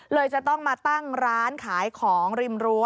เลยจะต้องมาตั้งร้านขายของริมรั้ว